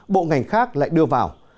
bộ ngành khác lại đưa vào